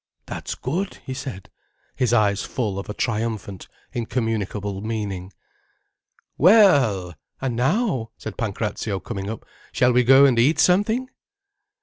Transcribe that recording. "That's good—" he said, his eyes full of a triumphant, incommunicable meaning. "Well!—And now," said Pancrazio, coming up, "shall we go and eat something?"